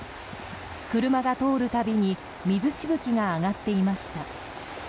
車が通るたびに水しぶきが上がっていました。